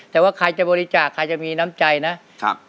แต่ว่าใครจะบริจาคใครจะมีน้ำใจนะครับ